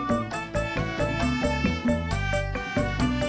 aduh lu jugaet muka muka